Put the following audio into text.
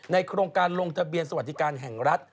โครงการลงทะเบียนสวัสดิการแห่งรัฐ